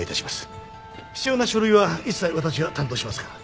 必要な書類は一切私が担当しますから。